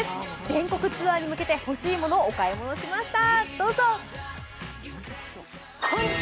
全国ツアーに向けて、欲しいものをお買い物しました。